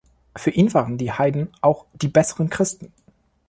Für ihn waren die Heiden auch die „besseren Christen“.